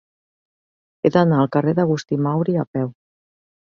He d'anar al carrer d'Agustí Mauri a peu.